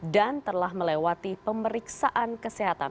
dan telah melewati pemeriksaan kesehatan